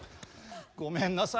ごめんなさい